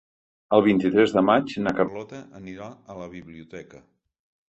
El vint-i-tres de maig na Carlota anirà a la biblioteca.